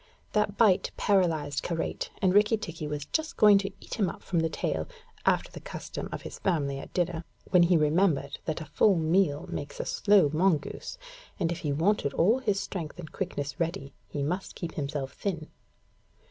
That bite paralysed Karait, and Rikki tikki was just going to eat him up from the tail, after the custom of his family at dinner, when he remembered that a full meal makes a slow mongoose, and if he wanted all his strength and quickness ready, he must keep himself thin.